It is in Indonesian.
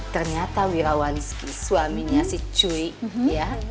ternyata wirawanski suaminya si cuy ya